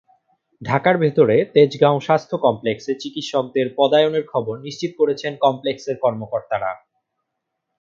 ঢাকার ভেতরে তেজগাঁও স্বাস্থ্য কমপ্লেক্সে চিকিৎসকদের পদায়নের খবর নিশ্চিত করেছেন কমপ্লেক্সের কর্মকর্তারা।